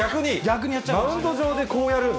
マウンド上でこうやる？